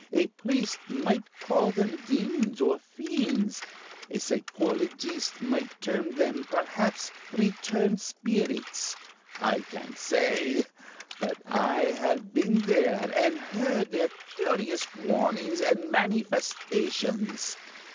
A priest might call them demons or fiends a psychologist might term them, perhaps, returned spirits.... I can't say; but I have been there, and heard their curious warnings and manifestations.